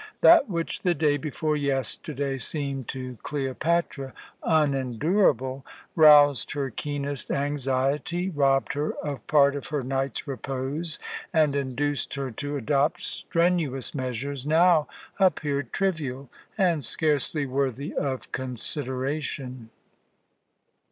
That which the day before yesterday seemed to Cleopatra unendurable, roused her keenest anxiety, robbed her of part of her night's repose, and induced her to adopt strenuous measures, now appeared trivial and scarcely worthy of consideration.